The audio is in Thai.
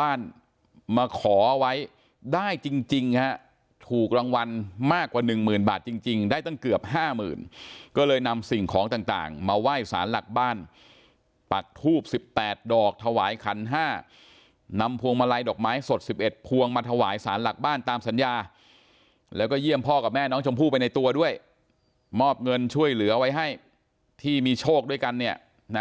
บ้านมาขอไว้ได้จริงฮะถูกรางวัลมากกว่าหนึ่งหมื่นบาทจริงได้ตั้งเกือบห้าหมื่นก็เลยนำสิ่งของต่างมาไหว้สารหลักบ้านปักทูบ๑๘ดอกถวายขันห้านำพวงมาลัยดอกไม้สด๑๑พวงมาถวายสารหลักบ้านตามสัญญาแล้วก็เยี่ยมพ่อกับแม่น้องชมพู่ไปในตัวด้วยมอบเงินช่วยเหลือไว้ให้ที่มีโชคด้วยกันเนี่ยนะ